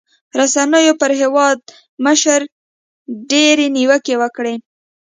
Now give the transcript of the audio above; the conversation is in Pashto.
رسنيو پر هېوادمشر ډېرې نیوکې وکړې.